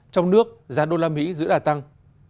trong nước giá usd giữ đà tăng